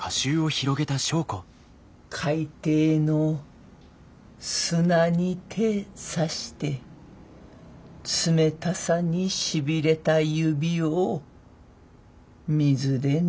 「海底の砂に手差して冷たさにしびれた指を水でぬくめる」。